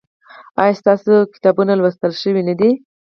ایا ستاسو کتابونه لوستل شوي نه دي؟